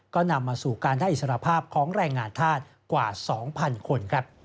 ก็นำมาสู่การได้อิสรภาพของแรงงานธาตุกว่า๒๐๐๐คน